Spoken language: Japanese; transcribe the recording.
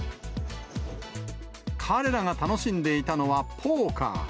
彼らが楽しんでいたのは、ポーカー。